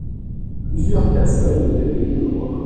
Plusieurs personnes étaient venues me voir.